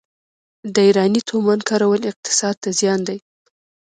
د ایراني تومان کارول اقتصاد ته زیان دی.